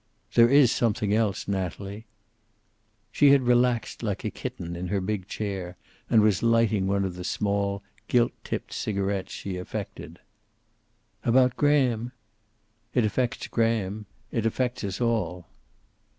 "There is something else, Natalie." She had relaxed like a kitten in her big chair, and was lighting one of the small, gilt tipped cigarets she affected. "About Graham?" "It affects Graham. It affects us all."